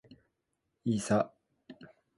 いさ